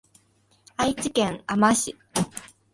愛知県あま市